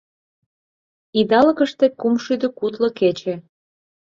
Идалыкыште кумшӱдӧ кудло кече